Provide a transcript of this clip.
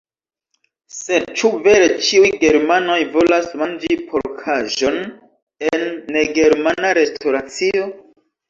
Sed ĉu vere ĉiuj germanoj volas manĝi porkaĵon en negermana restoracio?